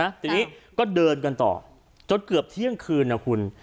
ทีนี้ก็เดินกันต่อจนเกือบเที่ยงคืนนะคุณ